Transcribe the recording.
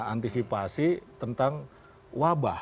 antisipasi tentang wabah